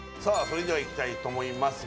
それではいきたいと思います